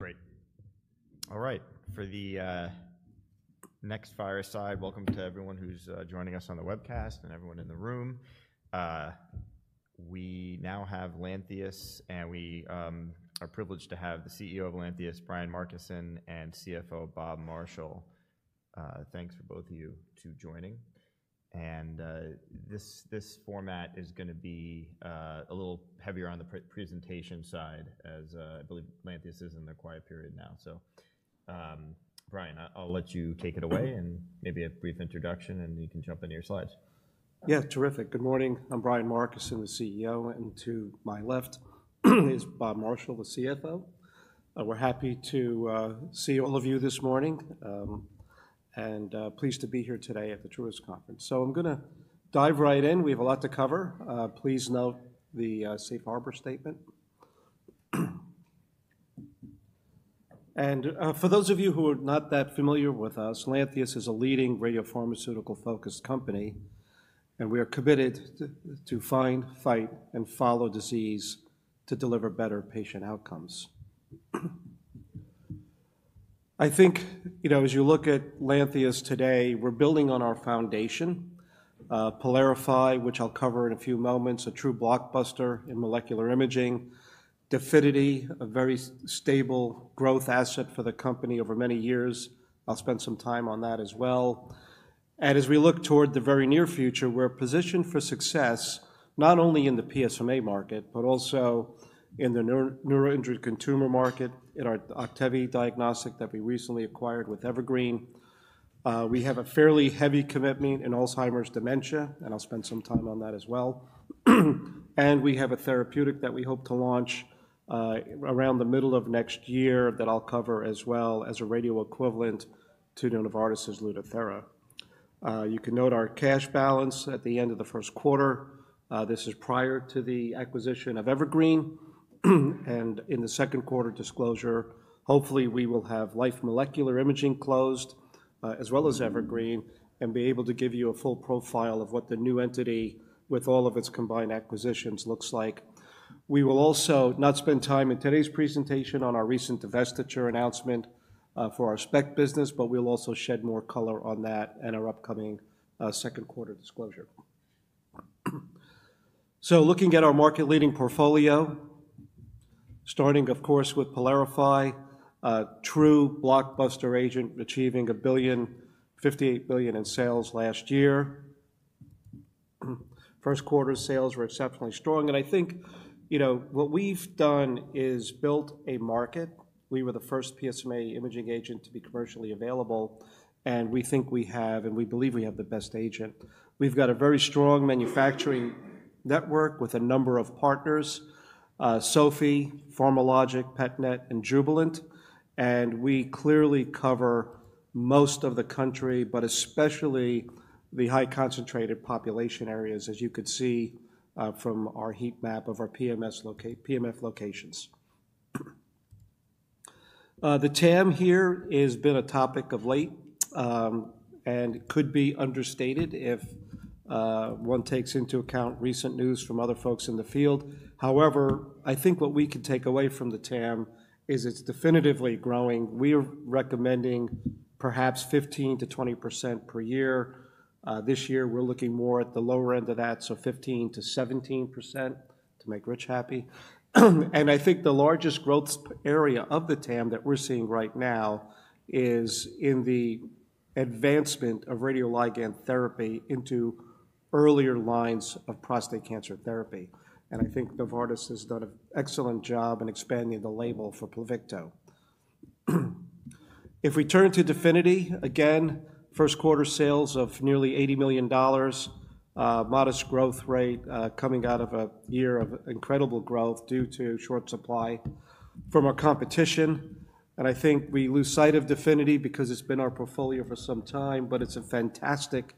Great. All right. For the next fireside, welcome to everyone who's joining us on the webcast and everyone in the room. We now have Lantheus, and we are privileged to have the CEO of Lantheus, Brian Markison, and CFO, Bob Marshall. Thanks for both of you joining. This format is going to be a little heavier on the presentation side, as I believe Lantheus is in their quiet period now. Brian, I'll let you take it away and maybe a brief introduction, and you can jump into your slides. Yeah, terrific. Good morning. I'm Brian Markison, the CEO, and to my left is Bob Marshall, the CFO. We're happy to see all of you this morning and pleased to be here today at the Truist Conference. I'm going to dive right in. We have a lot to cover. Please note the safe harbor statement. For those of you who are not that familiar with us, Lantheus is a leading radiopharmaceutical-focused company, and we are committed to find, fight, and follow disease to deliver better patient outcomes. I think, you know, as you look at Lantheus today, we're building on our foundation, PYLARIFY, which I'll cover in a few moments, a true blockbuster in molecular imaging, DEFINITY, a very stable growth asset for the company over many years. I'll spend some time on that as well. As we look toward the very near future, we're positioned for success not only in the PSMA market, but also in the neuroendocrine tumor market, in our OCTEVY diagnostic that we recently acquired with Evergreen. We have a fairly heavy commitment in Alzheimer's dementia, and I'll spend some time on that as well. We have a therapeutic that we hope to launch around the middle of next year that I'll cover as well as a radio equivalent to Novartis's LUTATHERA. You can note our cash balance at the end of the first quarter. This is prior to the acquisition of Evergreen. In the second quarter disclosure, hopefully we will have Life Molecular Imaging closed, as well as Evergreen, and be able to give you a full profile of what the new entity with all of its combined acquisitions looks like. We will also not spend time in today's presentation on our recent divestiture announcement for our SPECT business, but we'll also shed more color on that in our upcoming second quarter disclosure. Looking at our market-leading portfolio, starting, of course, with PYLARIFY, a true blockbuster agent achieving $1.058 billion in sales last year. First quarter sales were exceptionally strong. I think, you know, what we've done is built a market. We were the first PSMA imaging agent to be commercially available, and we think we have, and we believe we have the best agent. We've got a very strong manufacturing network with a number of partners: SOFIE, PharmaLogic, PETNET, and Jubilant. We clearly cover most of the country, but especially the high-concentrated population areas, as you could see from our heat map of our PMF locations. The TAM here has been a topic of late and could be understated if one takes into account recent news from other folks in the field. However, I think what we can take away from the TAM is it's definitively growing. We are recommending perhaps 15%-20% per year. This year, we're looking more at the lower end of that, so 15%-17% to make Rich happy. I think the largest growth area of the TAM that we're seeing right now is in the advancement of radioligand therapy into earlier lines of prostate cancer therapy. I think Novartis has done an excellent job in expanding the label for PLUVICTO. If we turn to DEFINITY, again, first quarter sales of nearly $80 million, modest growth rate coming out of a year of incredible growth due to short supply from our competition. I think we lose sight of DEFINITY because it's been in our portfolio for some time, but it's a fantastic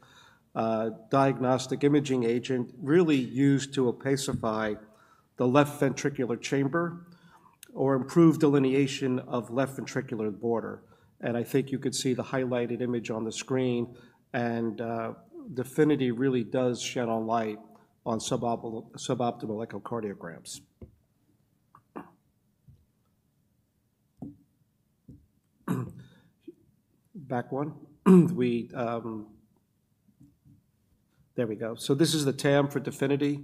diagnostic imaging agent, really used to opacify the left ventricular chamber or improve delineation of left ventricular border. I think you could see the highlighted image on the screen, and DEFINITY really does shed light on suboptimal echocardiograms. Back one. There we go. This is the TAM for DEFINITY.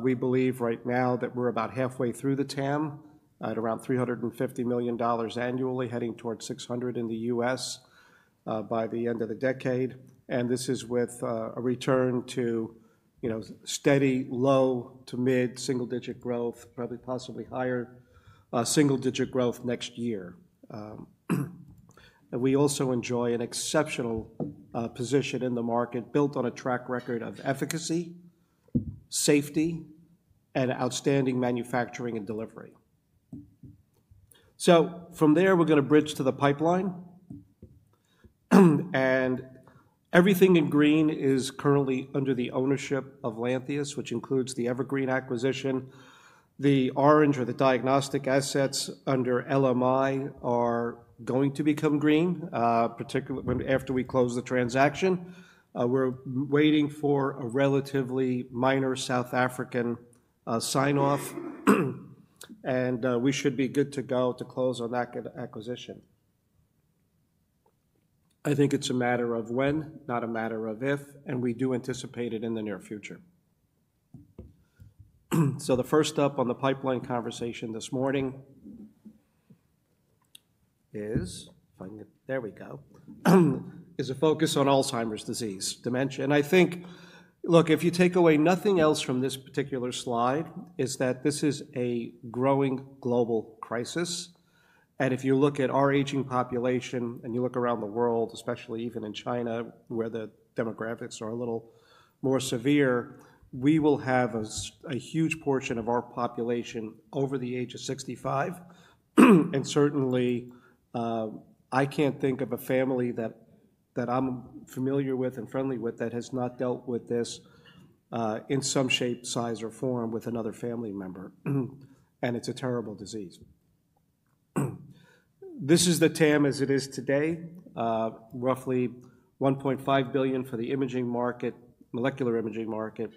We believe right now that we're about halfway through the TAM at around $350 million annually, heading toward $600 million in the U.S. by the end of the decade. This is with a return to, you know, steady low to mid single-digit growth, probably possibly higher single-digit growth next year. We also enjoy an exceptional position in the market built on a track record of efficacy, safety, and outstanding manufacturing and delivery. From there, we're going to bridge to the pipeline. Everything in green is currently under the ownership of Lantheus, which includes the Evergreen acquisition. The orange, or the diagnostic assets under LMI, are going to become green, particularly after we close the transaction. We're waiting for a relatively minor South African sign-off, and we should be good to go to close on that acquisition. I think it's a matter of when, not a matter of if, and we do anticipate it in the near future. The first up on the pipeline conversation this morning is, if I can get there we go, a focus on Alzheimer's disease, dementia. I think, look, if you take away nothing else from this particular slide, it's that this is a growing global crisis. If you look at our aging population and you look around the world, especially even in China, where the demographics are a little more severe, we will have a huge portion of our population over the age of 65. I can't think of a family that I'm familiar with and friendly with that has not dealt with this in some shape, size, or form with another family member. It's a terrible disease. This is the TAM as it is today, roughly $1.5 billion for the imaging market, molecular imaging market,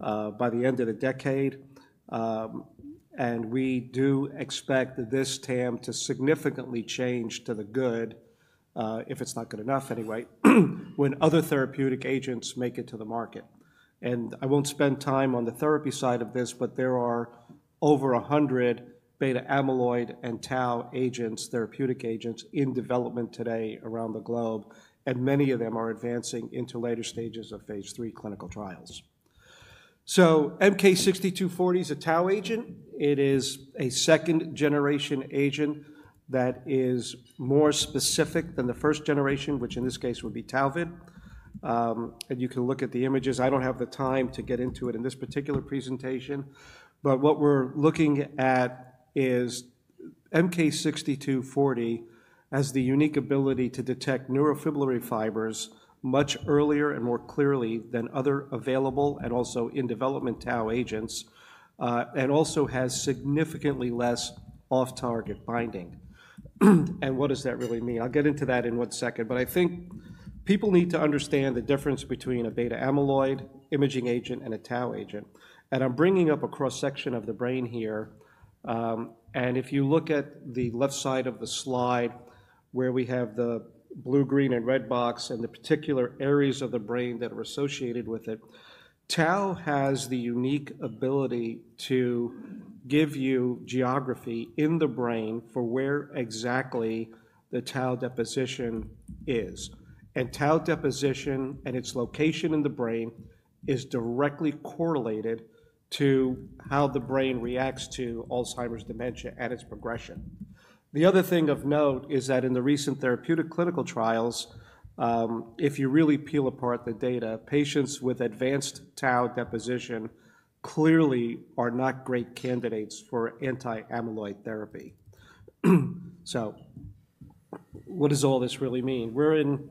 by the end of the decade. We do expect this TAM to significantly change to the good, if it's not good enough anyway, when other therapeutic agents make it to the market. I won't spend time on the therapy side of this, but there are over 100 beta-amyloid and tau agents, therapeutic agents, in development today around the globe, and many of them are advancing into later stages of phase III clinical trials. MK6240 is a tau agent. It is a second-generation agent that is more specific than the first generation, which in this case would be Tauvid. You can look at the images. I don't have the time to get into it in this particular presentation. What we're looking at is MK6240 has the unique ability to detect neurofibrillary fibers much earlier and more clearly than other available and also in development tau agents, and also has significantly less off-target binding. What does that really mean? I'll get into that in one second. I think people need to understand the difference between a beta-amyloid imaging agent and a tau agent. I'm bringing up a cross-section of the brain here. If you look at the left side of the slide, where we have the blue, green, and red box and the particular areas of the brain that are associated with it, tau has the unique ability to give you geography in the brain for where exactly the tau deposition is. Tau deposition and its location in the brain is directly correlated to how the brain reacts to Alzheimer's dementia and its progression. The other thing of note is that in the recent therapeutic clinical trials, if you really peel apart the data, patients with advanced tau deposition clearly are not great candidates for anti-amyloid therapy. What does all this really mean? We're in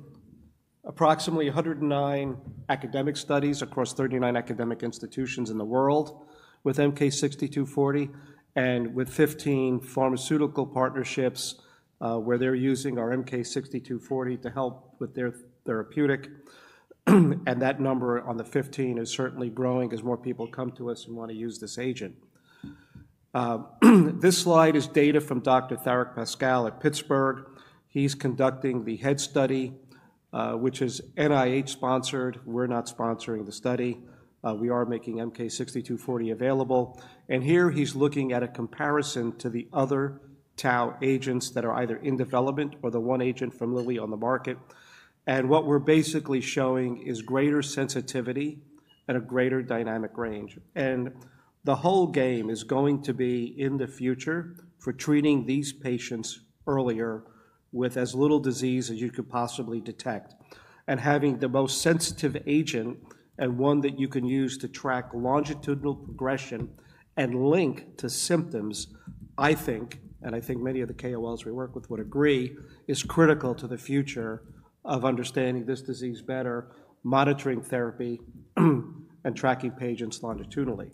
approximately 109 academic studies across 39 academic institutions in the world with MK6240 and with 15 pharmaceutical partnerships where they're using our MK6240 to help with their therapeutic. That number on the 15 is certainly growing as more people come to us and want to use this agent. This slide is data from Dr. Tharick Pascoal at Pittsburgh. He's conducting the head study, which is NIH-sponsored. We're not sponsoring the study. We are making MK6240 available. Here he's looking at a comparison to the other tau agents that are either in development or the one agent familiarly on the market. What we're basically showing is greater sensitivity and a greater dynamic range. The whole game is going to be in the future for treating these patients earlier with as little disease as you could possibly detect. Having the most sensitive agent and one that you can use to track longitudinal progression and link to symptoms, I think, and I think many of the KOLs we work with would agree, is critical to the future of understanding this disease better, monitoring therapy, and tracking patients longitudinally.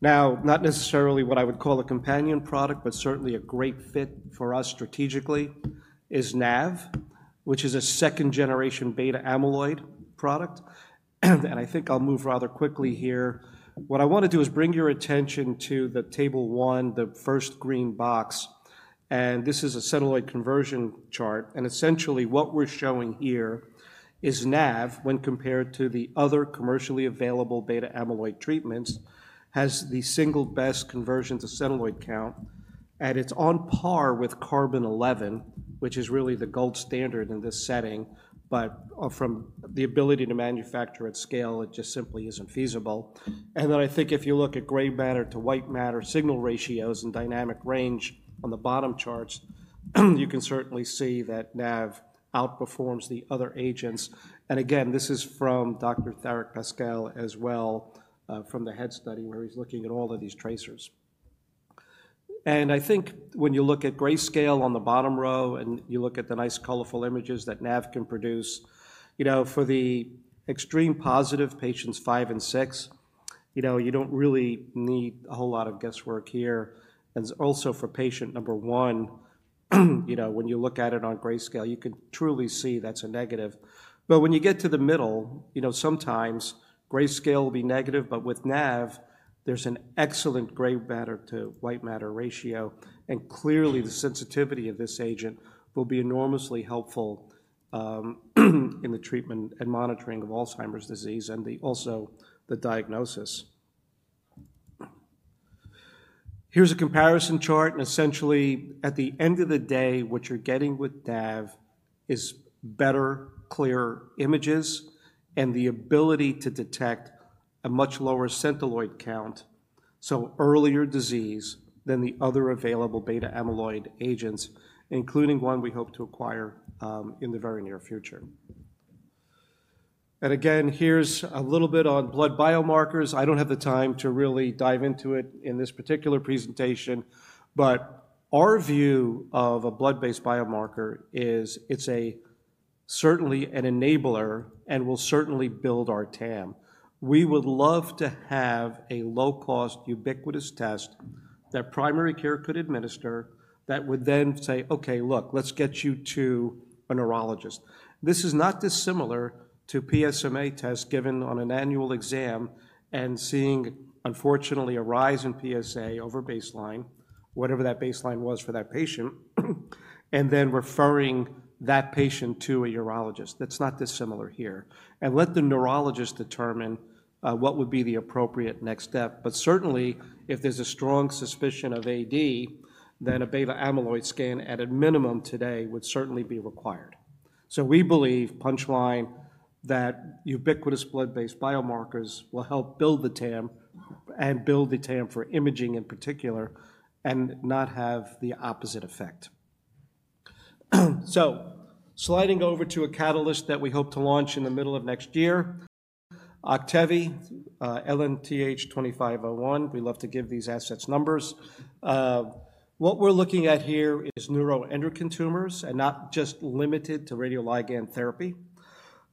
Now, not necessarily what I would call a companion product, but certainly a great fit for us strategically is NAV, which is a second-generation beta-amyloid product. I think I'll move rather quickly here. What I want to do is bring your attention to the table one, the first green box. This is a Centiloid conversion chart. Essentially, what we're showing here is NAV, when compared to the other commercially available beta-amyloid treatments, has the single best conversion to Centiloid count, and it's on par with carbon-11, which is really the gold standard in this setting. From the ability to manufacture at scale, it just simply isn't feasible. I think if you look at gray matter to white matter signal ratios and dynamic range on the bottom charts, you can certainly see that NAV outperforms the other agents. Again, this is from Dr. Tharick Pascoal as well from the head study where he's looking at all of these tracers. I think when you look at grayscale on the bottom row and you look at the nice colorful images that NAV can produce, you know, for the extreme positive patients five and six, you know, you don't really need a whole lot of guesswork here. Also for patient number one, you know, when you look at it on grayscale, you can truly see that's a negative. When you get to the middle, you know, sometimes grayscale will be negative, but with NAV, there's an excellent gray matter to white matter ratio. Clearly, the sensitivity of this agent will be enormously helpful in the treatment and monitoring of Alzheimer's disease and also the diagnosis. Here's a comparison chart. Essentially, at the end of the day, what you're getting with NAV is better, clearer images and the ability to detect a much lower Centiloid count, so earlier disease than the other available beta-amyloid agents, including one we hope to acquire in the very near future. Again, here's a little bit on blood biomarkers. I don't have the time to really dive into it in this particular presentation, but our view of a blood-based biomarker is it's certainly an enabler and will certainly build our TAM. We would love to have a low-cost ubiquitous test that primary care could administer that would then say, "Okay, look, let's get you to a neurologist." This is not dissimilar to PSMA tests given on an annual exam and seeing, unfortunately, a rise in PSA over baseline, whatever that baseline was for that patient, and then referring that patient to a urologist. That is not dissimilar here. Let the neurologist determine what would be the appropriate next step. Certainly, if there is a strong suspicion of AD, then a beta-amyloid scan at a minimum today would certainly be required. We believe, punchline, that ubiquitous blood-based biomarkers will help build the TAM and build the TAM for imaging in particular and not have the opposite effect. Sliding over to a catalyst that we hope to launch in the middle of next year, OCTEVY, LNTH-2501. We love to give these assets numbers. What we're looking at here is neuroendocrine tumors and not just limited to radioligand therapy.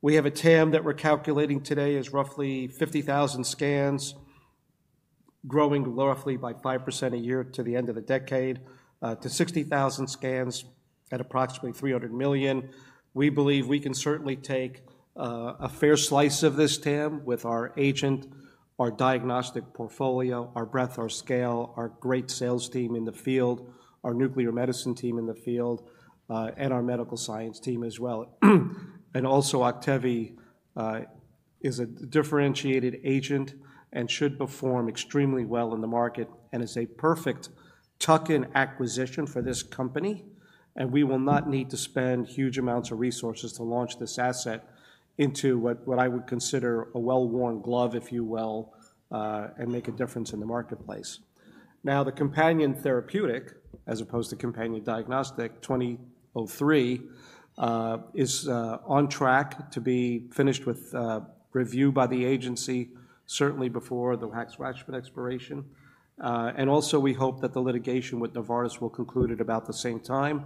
We have a TAM that we're calculating today is roughly 50,000 scans, growing roughly by 5% a year to the end of the decade to 60,000 scans at approximately $300 million. We believe we can certainly take a fair slice of this TAM with our agent, our diagnostic portfolio, our breadth, our scale, our great sales team in the field, our nuclear medicine team in the field, and our medical science team as well. OCTEVY is a differentiated agent and should perform extremely well in the market and is a perfect tuck-in acquisition for this company. We will not need to spend huge amounts of resources to launch this asset into what I would consider a well-worn glove, if you will, and make a difference in the marketplace. Now, the companion therapeutic, as opposed to companion diagnostic, 2003, is on track to be finished with review by the agency, certainly before the Hatch-Waxman expiration. We hope that the litigation with Novartis will conclude at about the same time.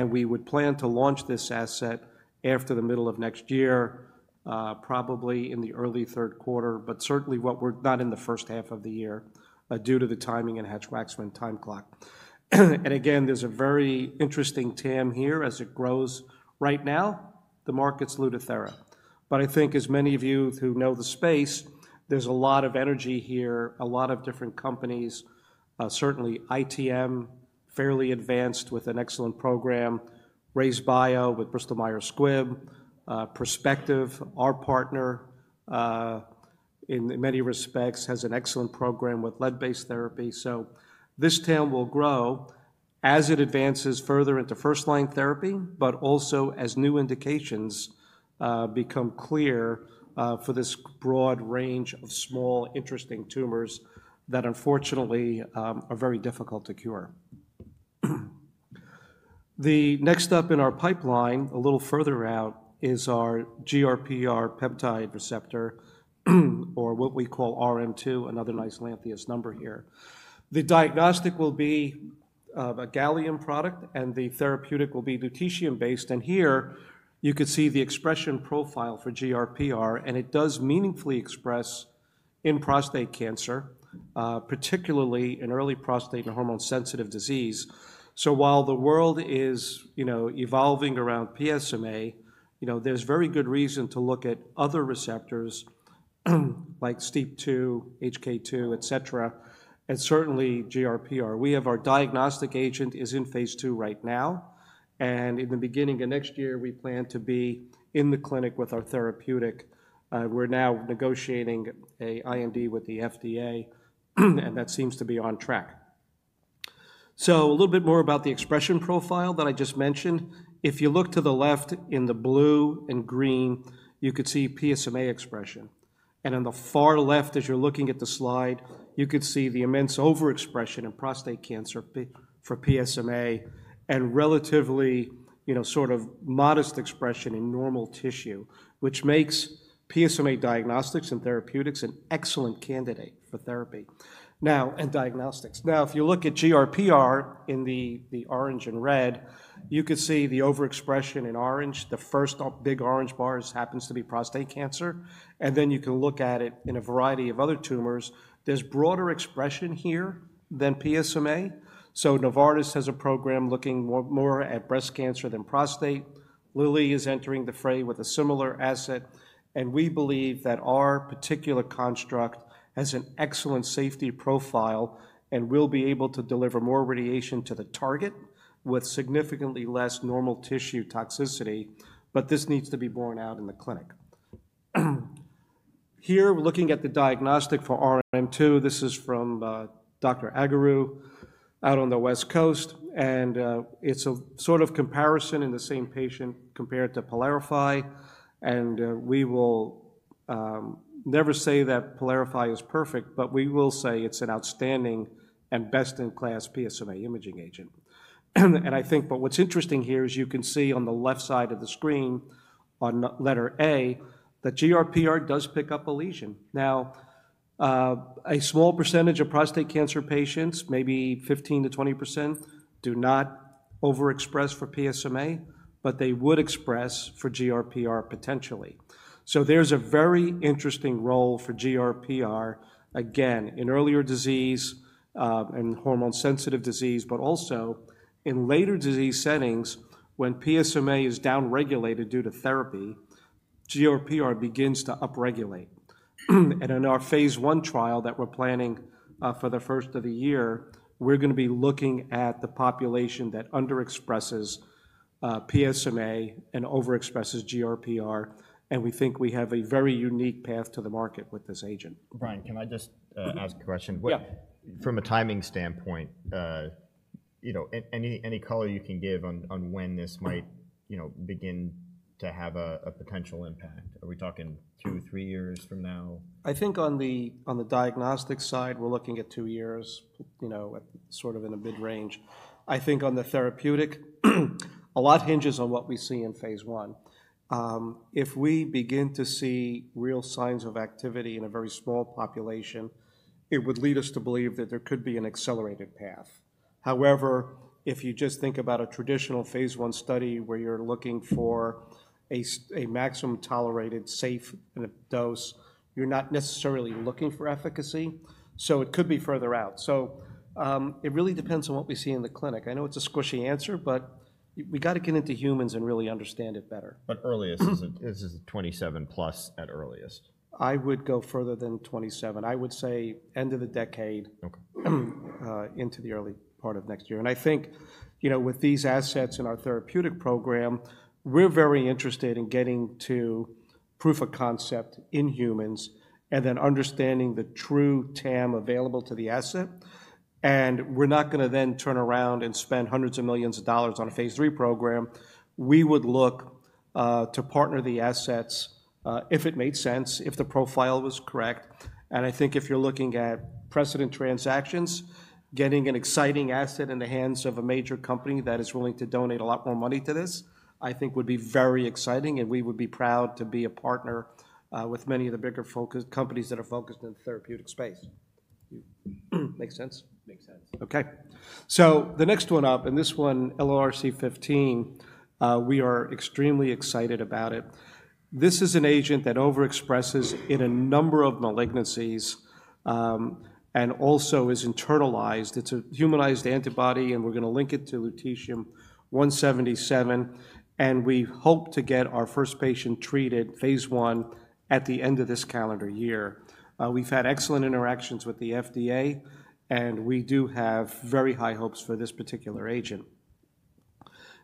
We would plan to launch this asset after the middle of next year, probably in the early 3rd quarter, but certainly not in the first half of the year due to the timing and Hatch-Waxman time clock. Again, there is a very interesting TAM here. As it grows right now, the market's ludicrous. I think as many of you who know the space, there's a lot of energy here, a lot of different companies, certainly ITM, fairly advanced with an excellent program, RayzeBio with Bristol Myers Squibb, Perspective, our partner in many respects, has an excellent program with lead-based therapy. This TAM will grow as it advances further into first-line therapy, but also as new indications become clear for this broad range of small, interesting tumors that unfortunately are very difficult to cure. The next up in our pipeline, a little further out, is our GRPR peptide receptor, or what we call RM2, another nice Lantheus number here. The diagnostic will be a gallium product and the therapeutic will be lutetium-based. Here you could see the expression profile for GRPR, and it does meaningfully express in prostate cancer, particularly in early prostate and hormone-sensitive disease. While the world is evolving around PSMA, there's very good reason to look at other receptors like STEAP2, HK2, etc., and certainly GRPR. We have our diagnostic agent is in phase II right now. In the beginning of next year, we plan to be in the clinic with our therapeutic. We're now negotiating an IND with the FDA, and that seems to be on track. A little bit more about the expression profile that I just mentioned. If you look to the left in the blue and green, you could see PSMA expression. On the far left, as you're looking at the slide, you could see the immense overexpression in prostate cancer for PSMA and relatively sort of modest expression in normal tissue, which makes PSMA diagnostics and therapeutics an excellent candidate for therapy and diagnostics. Now, if you look at GRPR in the orange and red, you could see the overexpression in orange. The first big orange bars happens to be prostate cancer. You can look at it in a variety of other tumors. There is broader expression here than PSMA. Novartis has a program looking more at breast cancer than prostate. Lilly is entering the fray with a similar asset. We believe that our particular construct has an excellent safety profile and will be able to deliver more radiation to the target with significantly less normal tissue toxicity. This needs to be borne out in the clinic. Here, we are looking at the diagnostic for RM2. This is from Dr. Agaru out on the West Coast. It is a sort of comparison in the same patient compared to PYLARIFY. We will never say that PYLARIFY is perfect, but we will say it's an outstanding and best-in-class PSMA imaging agent. I think what's interesting here is you can see on the left side of the screen on letter A that GRPR does pick up a lesion. Now, a small percentage of prostate cancer patients, maybe 15%-20%, do not overexpress for PSMA, but they would express for GRPR potentially. There is a very interesting role for GRPR, again, in earlier disease and hormone-sensitive disease, but also in later disease settings when PSMA is downregulated due to therapy, GRPR begins to upregulate. In our phase I trial that we're planning for the first of the year, we're going to be looking at the population that underexpresses PSMA and overexpresses GRPR. We think we have a very unique path to the market with this agent. Brian, can I just ask a question? From a timing standpoint, any color you can give on when this might begin to have a potential impact? Are we talking two, three years from now? I think on the diagnostic side, we're looking at two years, sort of in a mid-range. I think on the therapeutic, a lot hinges on what we see in phase I. If we begin to see real signs of activity in a very small population, it would lead us to believe that there could be an accelerated path. However, if you just think about a traditional phase I study where you're looking for a maximum tolerated safe dose, you're not necessarily looking for efficacy. It could be further out. It really depends on what we see in the clinic. I know it's a squishy answer, but we got to get into humans and really understand it better. Earliest, this is 2027 plus at earliest. I would go further than 2027. I would say end of the decade into the early part of next year. I think with these assets in our therapeutic program, we're very interested in getting to proof of concept in humans and then understanding the true TAM available to the asset. We're not going to then turn around and spend hundreds of millions of dollars on a phase III program. We would look to partner the assets if it made sense, if the profile was correct. I think if you're looking at precedent transactions, getting an exciting asset in the hands of a major company that is willing to donate a lot more money to this, I think would be very exciting. We would be proud to be a partner with many of the bigger companies that are focused in the therapeutic space. Makes sense? Makes sense. Okay. The next one up, and this one, LRRC15, we are extremely excited about it. This is an agent that overexpresses in a number of malignancies and also is internalized. It is a humanized antibody, and we are going to link it to lutetium-177. We hope to get our first patient treated phase I at the end of this calendar year. We have had excellent interactions with the FDA, and we do have very high hopes for this particular agent.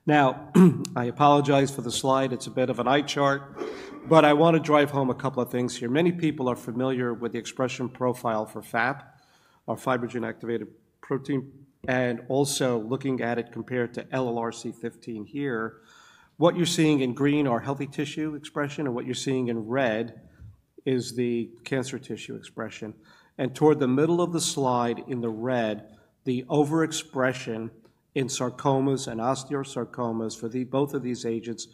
Now, I apologize for the slide. It is a bit of an eye chart, but I want to drive home a couple of things here. Many people are familiar with the expression profile for FAP, our fibroblast activation protein. Also looking at it compared to LRRC15 here, what you're seeing in green are healthy tissue expression, and what you're seeing in red is the cancer tissue expression. Toward the middle of the slide in the red, the overexpression in sarcomas and osteosarcomas for both of these agents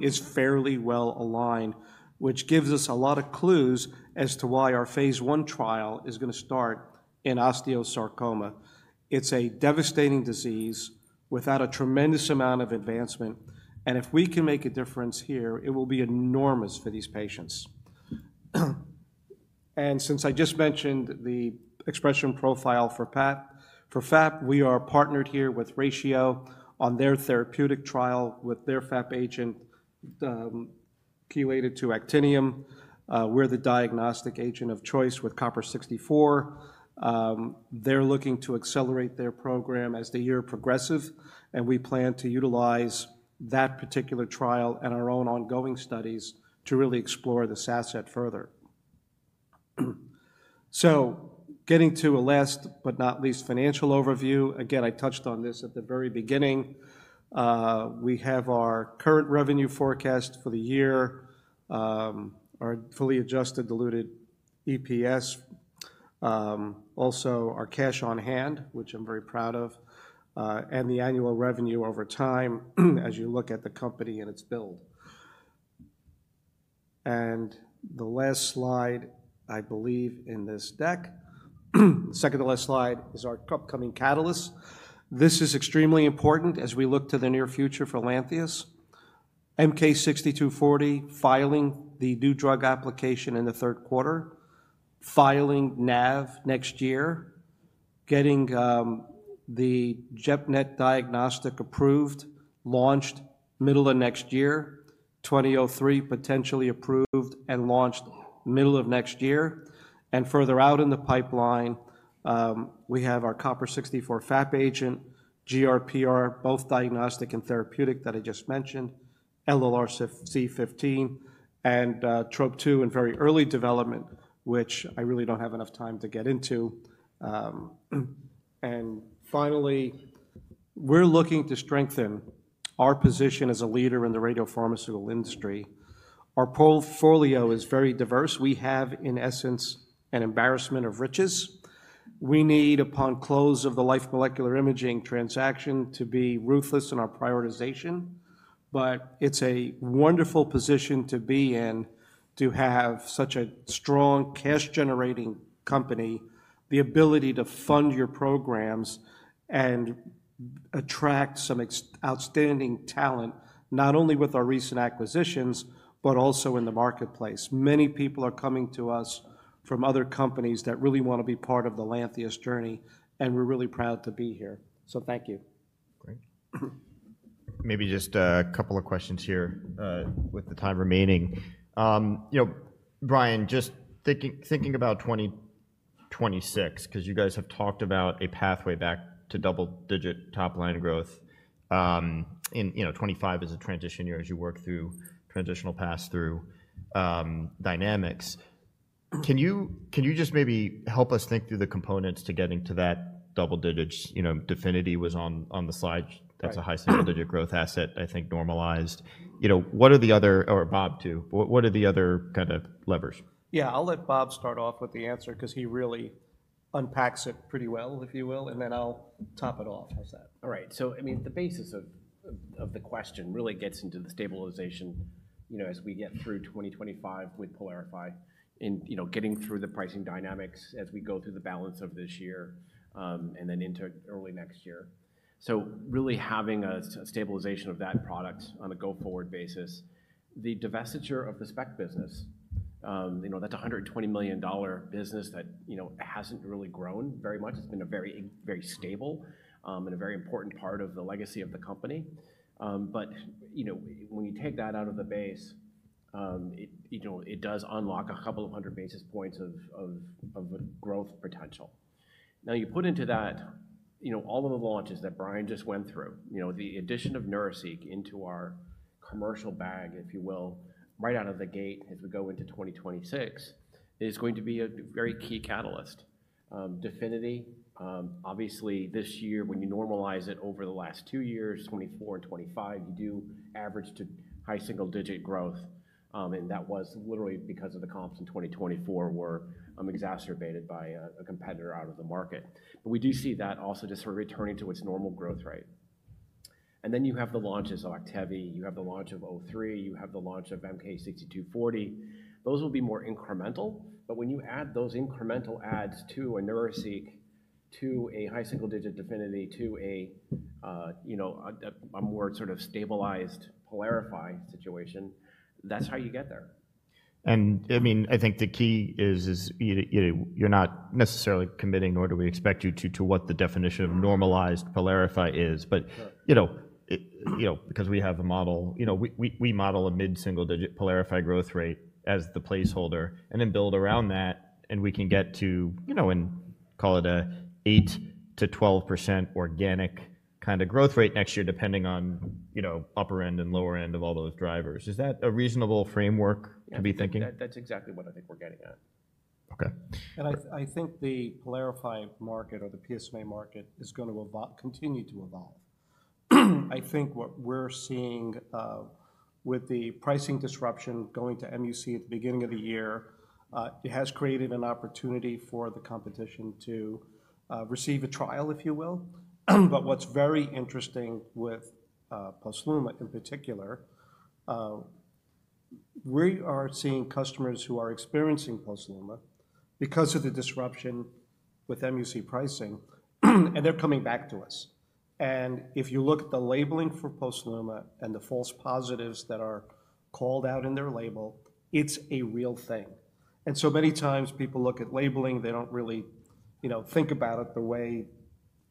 is fairly well aligned, which gives us a lot of clues as to why our phase I trial is going to start in osteosarcoma. It's a devastating disease without a tremendous amount of advancement. If we can make a difference here, it will be enormous for these patients. Since I just mentioned the expression profile for FAP, we are partnered here with Ratio on their therapeutic trial with their FAP agent [Q82] actinium. We're the diagnostic agent of choice with Copper-64. They're looking to accelerate their program as the year progresses, and we plan to utilize that particular trial and our own ongoing studies to really explore this asset further. Getting to a last but not least financial overview. Again, I touched on this at the very beginning. We have our current revenue forecast for the year, our fully adjusted diluted EPS, also our cash on hand, which I'm very proud of, and the annual revenue over time as you look at the company and its build. The last slide, I believe in this deck, the second to last slide is our upcoming catalyst. This is extremely important as we look to the near future for Lantheus. MK6240 filing the new drug application in the third quarter, filing NAV next year, getting the [JEPNET] diagnostic approved, launched middle of next year, 2003 potentially approved and launched middle of next year. Further out in the pipeline, we have our Copper-64 FAP agent, GRPR, both diagnostic and therapeutic that I just mentioned, LRRC15, and TROP2 in very early development, which I really do not have enough time to get into. Finally, we are looking to strengthen our position as a leader in the radiopharmaceutical industry. Our portfolio is very diverse. We have, in essence, an embarrassment of riches. We need, upon close of the Life Molecular Imaging transaction, to be ruthless in our prioritization. It's a wonderful position to be in to have such a strong cash-generating company, the ability to fund your programs and attract some outstanding talent, not only with our recent acquisitions, but also in the marketplace. Many people are coming to us from other companies that really want to be part of the Lantheus journey, and we're really proud to be here. Thank you. Great. Maybe just a couple of questions here with the time remaining. Brian, just thinking about 2026, because you guys have talked about a pathway back to double-digit top-line growth. 2025 is a transition year as you work through transitional pass-through dynamics. Can you just maybe help us think through the components to getting to that double-digit? DEFINITY was on the slide. That's a high single-digit growth asset, I think normalized. What are the other or Bob too? What are the other kind of levers? Yeah, I'll let Bob start off with the answer because he really unpacks it pretty well, if you will, and then I'll top it off with that. All right. I mean, the basis of the question really gets into the stabilization as we get through 2025 with PYLARIFY and getting through the pricing dynamics as we go through the balance of this year and then into early next year. Really having a stabilization of that product on a go-forward basis, the divestiture of the SPEC business, that's a $120 million business that hasn't really grown very much. It's been a very stable and a very important part of the legacy of the company. When you take that out of the base, it does unlock a couple of hundred basis points of growth potential. Now, you put into that all of the launches that Brian just went through, the addition of Neuraceq into our commercial bag, if you will, right out of the gate as we go into 2026, is going to be a very key catalyst. DEFINITY, obviously, this year, when you normalize it over the last two years, 2024 and 2025, you do average to high single-digit growth. That was literally because the comps in 2024 were exacerbated by a competitor out of the market. We do see that also just returning to its normal growth rate. You have the launches of OCTEVY. You have the launch of O3. You have the launch of MK6240. Those will be more incremental. When you add those incremental adds to a Neuraceq, to a high single-digit DEFINITY, to a more sort of stabilized PYLARIFY situation, that's how you get there. I mean, I think the key is you're not necessarily committing, nor do we expect you to, to what the definition of normalized PYLARIFY is. Because we have a model, we model a mid-single-digit PYLARIFY growth rate as the placeholder and then build around that, and we can get to, and call it an 8-12% organic kind of growth rate next year, depending on upper end and lower end of all those drivers. Is that a reasonable framework to be thinking? That's exactly what I think we're getting at. Okay. I think the PYLARIFY market or the PSMA market is going to continue to evolve. I think what we're seeing with the pricing disruption going to MUC at the beginning of the year, it has created an opportunity for the competition to receive a trial, if you will. What's very interesting with PLUVICTO in particular, we are seeing customers who are experiencing PLUVICTO because of the disruption with MUC pricing, and they're coming back to us. If you look at the labeling for PLUVICTO and the false positives that are called out in their label, it's a real thing. Many times people look at labeling, they don't really think about it the way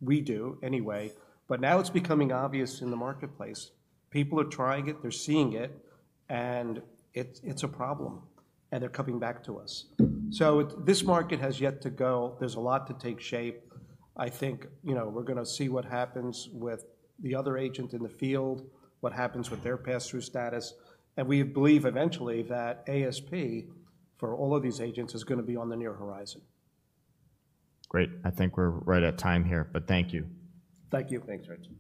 we do anyway. Now it's becoming obvious in the marketplace. People are trying it, they're seeing it, and it's a problem, and they're coming back to us. This market has yet to go. There's a lot to take shape. I think we're going to see what happens with the other agent in the field, what happens with their pass-through status. We believe eventually that ASP for all of these agents is going to be on the near horizon. Great. I think we're right at time here, but thank you. Thank you. Thanks, Rich.